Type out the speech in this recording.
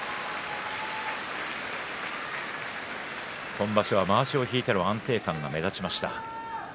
今場所はまわしを引いての安定感が目立ちました。